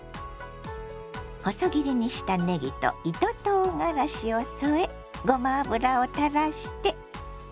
細切りにしたねぎと糸とうがらしを添えごま油をたらして。